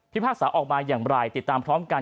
พากษาออกมาอย่างไรติดตามพร้อมกัน